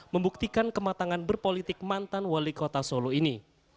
membuktikan kematangan berpolitik mantan wali kota solo ini